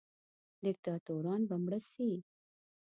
دیکتاتوران به مړه سي.